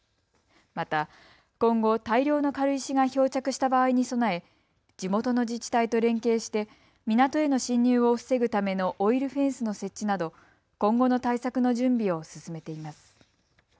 また、今後、大量の軽石が漂着した場合に備え地元の自治体と連携して港への侵入を防ぐためのオイルフェンスの設置など、今後の対策の準備を進めています。